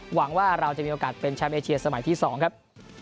หวังว่าเราจะมีโอกาสเป็นแชมป์เอเชียสมัยที่๒ครับ